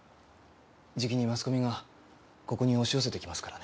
じきにマスコミがここに押し寄せて来ますからね。